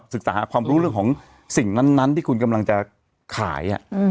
ศึกษาหาความรู้เรื่องของสิ่งนั้นที่คุณกำลังจะขาย